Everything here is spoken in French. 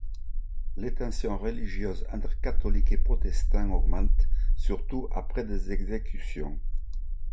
Les tensions religieuses entre catholiques et protestants augmentent, surtout après les exécutions.